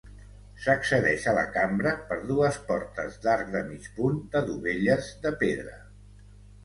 S'accedeix a la cambra per dues portes d'arc de mig punt de dovelles de pedra.